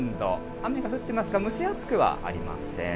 雨が降ってますが、蒸し暑くはありません。